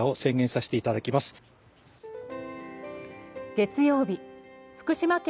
月曜日、福島県